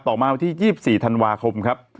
มาวันที่๒๔ธันวาคมครับ